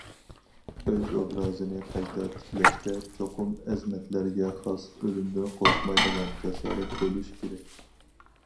ئۆز ئوبرازىنى قايتا تىكلەشتە، چوقۇم ئەزىمەتلەرگە خاس ئۆلۈمدىن قورقمايدىغان جاسارەت بولۇش كېرەك.